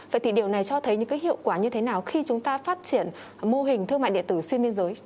vậy thì điều này cho thấy những cái hiệu quả như thế nào khi chúng ta phát triển mô hình thương mại điện tử xuyên biên giới